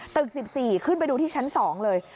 ตึก๑๔ขึ้นไปดูที่ชั้น๒เลย